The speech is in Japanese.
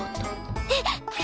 えっ。